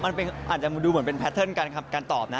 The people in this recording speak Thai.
มันอาจจะดูเหมือนเป็นแพทเทิร์นการตอบนะ